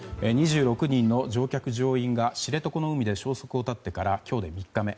２６人の乗客・乗員が知床の海で消息を絶ってから今日で３日目。